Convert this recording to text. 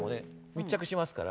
密着しますから。